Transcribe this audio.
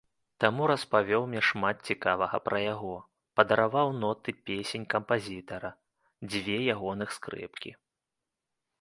Таму распавёў мне шмат цікавага пра яго, падараваў ноты песень кампазітара, дзве ягоных скрыпкі.